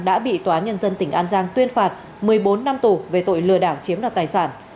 đã bị tòa án nhân dân tỉnh an giang tuyên phạt một mươi bốn năm tù về tội lừa đảo chiếm đoạt tài sản